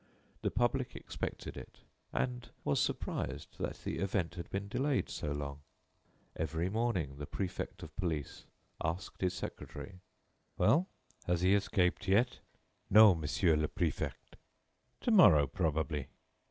The public expected it, and was surprised that the event had been delayed so long. Every morning the Préfect of Police asked his secretary: "Well, has he escaped yet?" "No, Monsieur le Préfect." "To morrow, probably."